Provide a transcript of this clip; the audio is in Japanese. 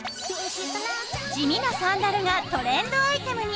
地味なサンダルがトレンドアイテムに！